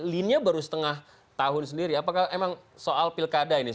lean nya baru setengah tahun sendiri apakah emang soal pilkada ini